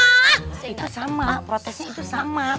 itu sama protesnya itu sama